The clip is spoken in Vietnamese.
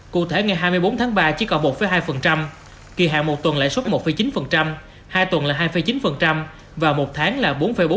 cụ thể ngày hai mươi bốn tháng ba chỉ còn một hai kỳ hạn một tuần lãi suất một chín hai tuần là hai chín và một tháng là bốn bốn